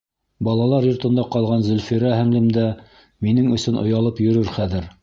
Балалар йортонда ҡалған Зөлфирә һеңлем дә минең өсөн оялып йөрөр хәҙер.